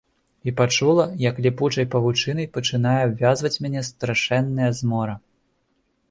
І пачула, як ліпучай павучынай пачынае абвязваць мяне страшэнная змора.